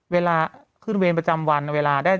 เวลาขึ้นเวรประจำวันเวลาได้